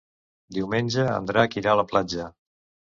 Diumenge en Drac irà a la platja.